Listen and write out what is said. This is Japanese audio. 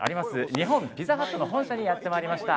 日本ピザハットの本社にやって参りました。